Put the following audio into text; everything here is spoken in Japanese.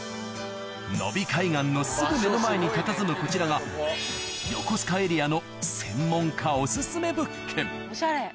野比海岸のすぐ目の前にたたずむこちらが横須賀エリアの専門家おしゃれ。